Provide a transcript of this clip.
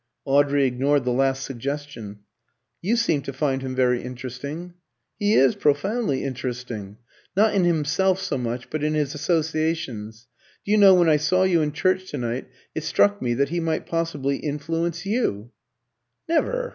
Audrey ignored the last suggestion. "You seem to find him very interesting." "He is profoundly interesting. Not in himself so much, but in his associations. Do you know, when I saw you in church to night it struck me that he might possibly influence you." "Never!